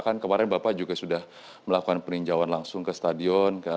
kan kemarin bapak juga sudah melakukan peninjauan langsung ke stadion